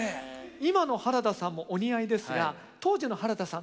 今の原田さんもお似合いですが当時の原田さん